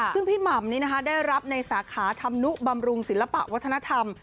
ซึ่งพี่หม่ำนี้นะคะได้รับในสาขาธรรมนุบำรุงศิลปะวัฒนธรรม